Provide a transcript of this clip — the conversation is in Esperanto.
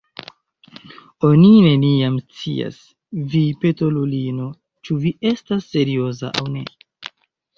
Oni neniam scias, vi petolulino, ĉu vi estas serioza aŭ ne.